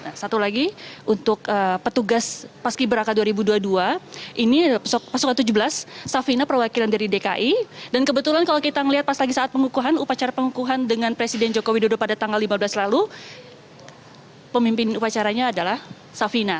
nah satu lagi untuk petugas paski beraka dua ribu dua puluh dua ini pasukan tujuh belas safina perwakilan dari dki dan kebetulan kalau kita melihat pas lagi saat pengukuhan upacara pengukuhan dengan presiden joko widodo pada tanggal lima belas lalu pemimpin upacaranya adalah safina